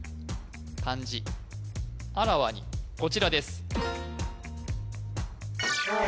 漢字あらわにこちらですああ